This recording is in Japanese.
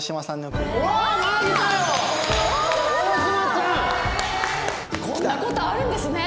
こんな事あるんですね。